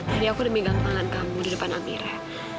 tadi aku udah minggang tangan kamu di depan amira